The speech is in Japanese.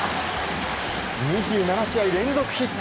２７試合連続ヒット！